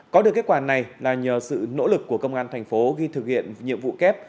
có được kết quả này là nhờ sự nỗ lực của công an thành phố khi thực hiện nhiệm vụ kép